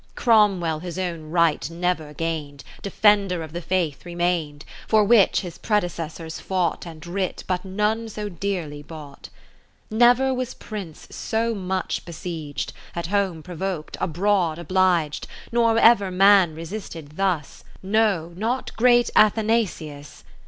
Cromwell his own Rightnevergain'd, Defender of the Faith remain'd, For which his predecessors fought And writ, but none so dearly bought. Never was Prince so much besieged, At home provok'd, abroad obliged ; Nor ever man resisted thus, 33 No not great Athanasius.